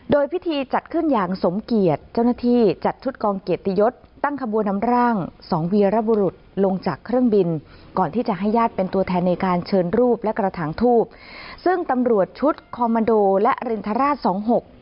โดยพิธีจัดขึ้นอย่างสมเกียรติเจ้าหน้าที่จัดชุดกองเกียรติยศตั้งขบวนนำร่างสองเวียระบุรุษลงจากเครื่องบินก่อนที่จะให้ญาติเป็นตัวแทนในการเชิญรูปและกระถางทูบซึ่งตำรวจชุดคอมมันโดและรินทราชสองหก